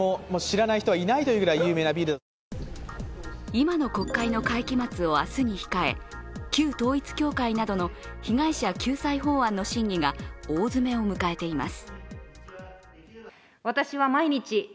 今の国会の会期末を明日に控え、旧統一教会などの被害者救済法案の審議が大詰めを迎えています。